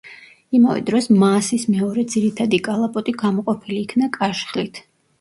იმავე დროს მაასის მეორე ძირითადი კალაპოტი გამოყოფილი იქნა კაშხლით.